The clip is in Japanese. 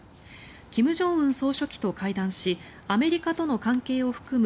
金正恩総書記と会談しアメリカとの関係を含む